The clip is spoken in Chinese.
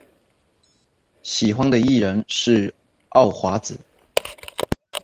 喜欢的艺人是奥华子。